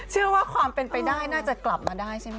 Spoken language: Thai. เชื่อว่าความเป็นไปได้น่าจะกลับมาได้ใช่ไหม